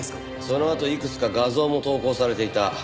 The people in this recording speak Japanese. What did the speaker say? そのあといくつか画像も投稿されていた。